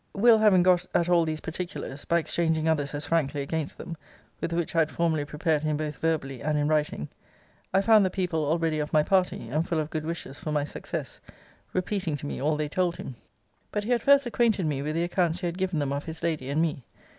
Will. having got at all these particulars, by exchanging others as frankly against them, with which I had formerly prepared him both verbally and in writing. I found the people already of my party, and full of good wishes for my success, repeating to me all they told him. But he had first acquainted me with the accounts he had given them of his lady and me.